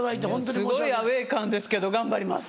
すごいアウェー感ですけど頑張ります。